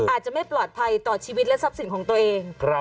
อาจจะไม่ปลอดภัยต่อชีวิตและทรัพย์สินของตัวเอง